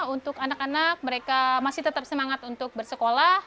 untuk anak anak mereka masih tetap semangat untuk bersekolah